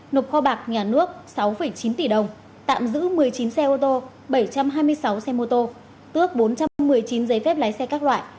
nộp kho bạc nhà nước sáu chín tỷ đồng tạm giữ một mươi chín xe ô tô bảy trăm hai mươi sáu xe mô tô tước bốn trăm một mươi chín giấy phép lái xe các loại